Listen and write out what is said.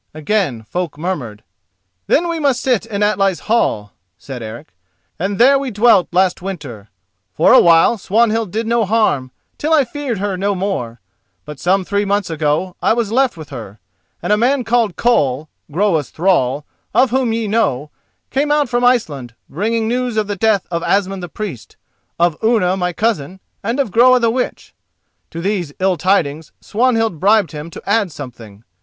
Again folk murmured. "Then we must sit in Atli's hall," said Eric, "and there we dwelt last winter. For a while Swanhild did no harm, till I feared her no more. But some three months ago, I was left with her: and a man called Koll, Groa's thrall, of whom ye know, came out from Iceland, bringing news of the death of Asmund the priest, of Unna my cousin, and of Groa the witch. To these ill tidings Swanhild bribed him to add something.